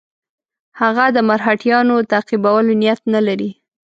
هغه د مرهټیانو تعقیبولو نیت نه لري.